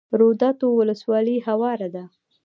روداتو ولسوالۍ هواره ده؟